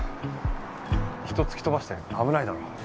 人を突き飛ばして危ないだろ。